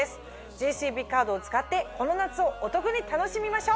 ＪＣＢカードを使ってこの夏をお得に楽しみましょう！